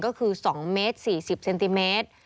ก็คือ๒เมตร๔๐เซนติเมตร